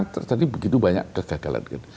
tadi begitu banyak kegagalan